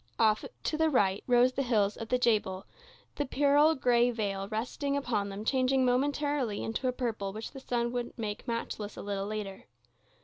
Off to the right rose the hills of the Jebel, the pearl gray veil resting upon them changing momentarily into a purple which the sun would make matchless a little later.